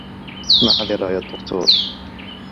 معذرة يا دكتور.